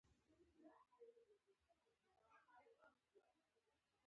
کباب تور تلب شو؛ د خوراک نه دی.